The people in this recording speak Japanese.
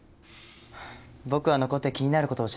僕は残って気になる事を調べてみるよ。